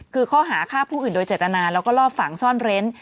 คือข้อหาฆ่าผู้อื่นโดยเจตนาแล้วก็ลอบฝังซ่อนเร้น